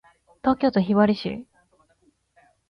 東京都雲雀市